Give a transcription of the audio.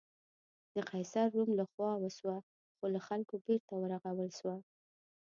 د قیصر روم له خوا وسوه، خو له خلکو بېرته ورغول شوه.